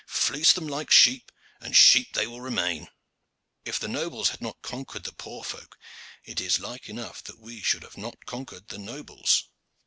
Fleece them like sheep and sheep they will remain. If the nobles had not conquered the poor folk it is like enough that we should not have conquered the nobles."